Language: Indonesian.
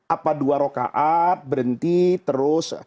apa dua rokaat berhenti terus